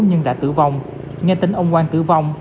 nhưng đã tử vong nghe tính ông quang tử vong